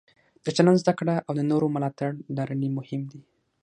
د چلند زده کړه او د نورو ملاتړ لرل یې مهم دي.